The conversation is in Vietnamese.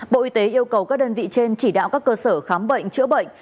bộ y tế yêu cầu các đơn vị trên chỉ đạo các cơ sở khám bệnh chữa bệnh